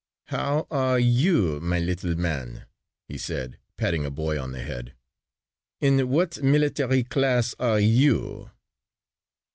"How are you, my little man?" he said, patting a boy on the head. "In what military class are you?"